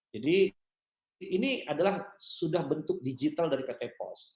jadi ini adalah sudah bentuk digital dari pt pos